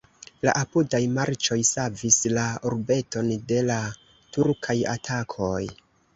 La apudaj marĉoj savis la urbeton de la turkaj atakoj.